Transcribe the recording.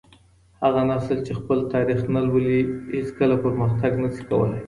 هغه نسل چي خپل تاريخ نه لولي هيڅکله پرمختګ نسي کولای.